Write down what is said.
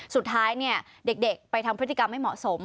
สุดท้ายเด็กไปทำพฤติกรรมไม่เหมาะสม